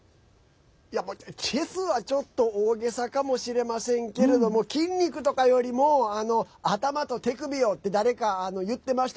チェスは、ちょっと大げさかもしれませんけれども筋肉とかよりも頭と手首をって誰か言ってました。